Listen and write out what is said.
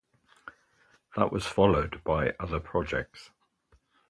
That was followed by other projects.